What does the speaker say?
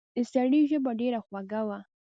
د سړي ژبه ډېره خوږه وه.